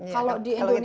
kalau di indonesia